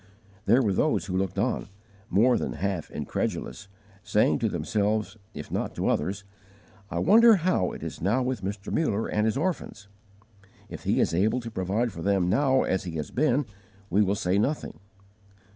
There were those who looked on, more than half incredulous, saying to themselves if not to others, "I wonder how it is now with Mr. Muller and his orphans! If he is able to provide for them now as he has been, we will say nothing."